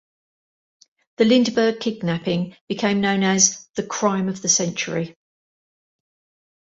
The Lindbergh kidnapping became known as "The Crime of the Century".